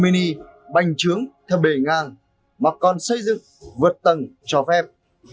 bên cạnh đất nước các ngôi nhà cây bành trướng theo bề ngang mọc còn xây dựng vượt tầng cho phép